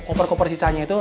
koper koper sisanya itu